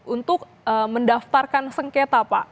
untuk mendaftarkan sengketa pak